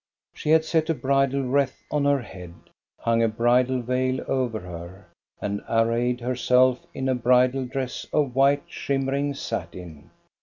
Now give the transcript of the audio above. She had set a bridal wreath on her head, hung a bridal veil over her, and arrayed herself in a bridal dress of white, shim mering satin.